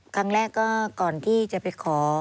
ครั้งแรกก็ก่อนที่จะไปขอ